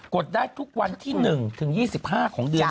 ดได้ทุกวันที่๑ถึง๒๕ของเดือน